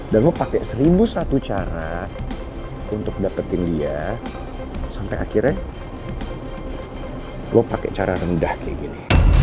dan lo pake seribu satu cara untuk dapetin dia sampe akhirnya lo pake cara rendah kayak gini